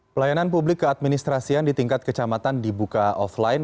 pelayanan publik keadministrasian di tingkat kecamatan dibuka offline